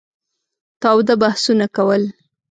تاوده بحثونه کول.